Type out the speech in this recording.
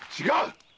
違う！